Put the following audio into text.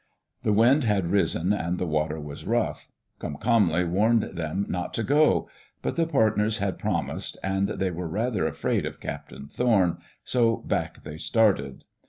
The wind had risen and the water was rough. Comcomly warned them not to go. But the partners had promised, and they were rather afraid of Captain Thorn, so back they started.